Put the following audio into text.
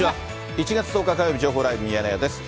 １月１０日火曜日、情報ライブミヤネ屋です。